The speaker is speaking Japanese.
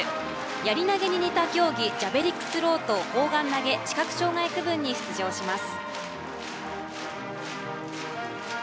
やり投げに似た競技ジャベリックスローと砲丸投げ視覚障害区分に出場します。